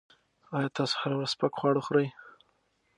ایا تاسو هره ورځ سپک خواړه خوري؟